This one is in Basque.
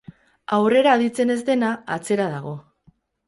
Aurrera aditzen ez dena, atzera dago.